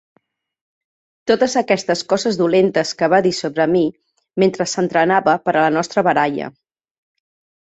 Totes aquestes coses dolentes que va dir sobre mi mentre s'entrenava per a la nostra baralla.